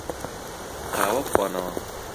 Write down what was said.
قاوە بخۆنەوە.